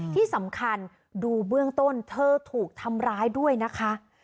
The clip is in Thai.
ที่สำคัญดูเบื้องต้นเธอถูกทำร้ายด้วยนะคะ